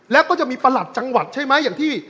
และก็จะมีประหลัดจังหวัดใช่ไหม